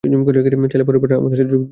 চাইলে পরেরবার আমাদের সাথে যোগ দিতে পার।